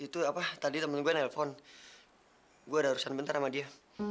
itu apa tadi temen gue nelpon gue ada urusan bentar sama dia